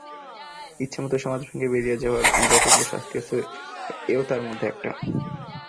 ইচ্ছামত সমাজ ভেঙে বেরিয়ে যাওয়ার যতগুলো শাস্তি আছে এও তার মধ্যে একটা।